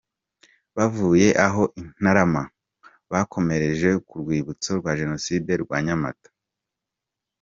Bavuye aho i Ntarama, bakomereje ku rwibutso rwa Jenoside rwa Nyamata.